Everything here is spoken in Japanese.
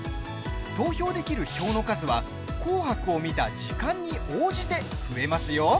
投票できる票の数は「紅白」を見た時間に応じて増えますよ。